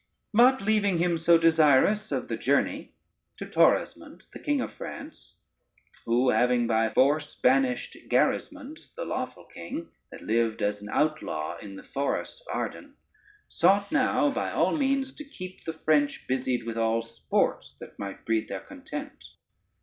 [Footnote 1: kiss.] But leaving him so desirous of the journey, to Torismond, the king of France, who having by force banished Gerismond, their lawful king, that lived as an outlaw in the forest of Arden, sought now by all means to keep the French busied with all sports that might breed their content.